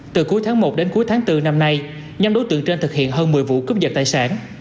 từ cuối tháng một đến cuối tháng bốn năm nay nhắm đối tượng trên thực hiện hơn một mươi vụ cướp dật tài sản